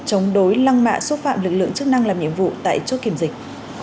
chống đối lăng mạ xúc phạm lực lượng chức năng làm nhiệm vụ tại chốt kiểm dịch